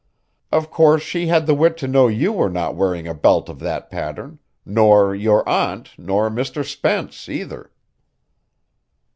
Of course she had the wit to know you were not wearing a belt of that pattern; nor your aunt nor Mr. Spence, either."